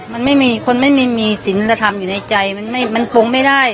มันไม่มีคนไม่มีมีศิลธรรมอยู่ในใจมันปรุงไม่ได้